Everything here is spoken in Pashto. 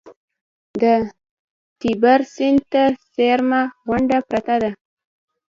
د تیبر سیند ته څېرمه غونډه پرته ده.